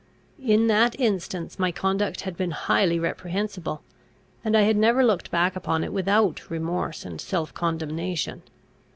In that instance my conduct had been highly reprehensible, and I had never looked back upon it without remorse and self condemnation.